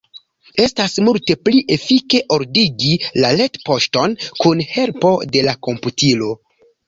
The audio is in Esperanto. Estas multe pli efike ordigi la retpoŝton kun helpo de la komputilo.